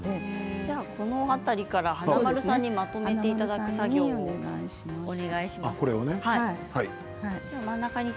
この辺りから華丸さんにまとめていただく作業お願いします。